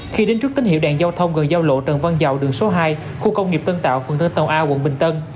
khi đến trước tín hiệu đèn giao thông gần giao lộ trần văn dầu đường số hai khu công nghiệp tân tàu phần thân tàu a quận bình tân